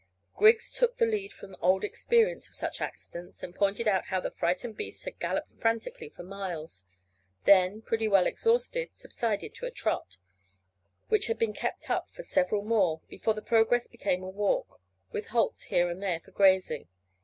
Griggs took the lead from old experience of such accidents, and pointed out how the frightened beasts had galloped frantically for miles, then, pretty well exhausted, subsided to a trot, which had been kept up for several more before their progress became a walk, with halts here and there for grazing.